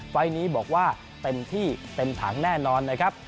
ไฟล์นี้บอกว่าเต็มที่เต็มถังแน่นอนนะครับ